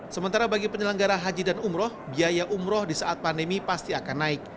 sementara bagi penyelenggara haji dan umroh biaya umroh di saat pandemi pasti akan naik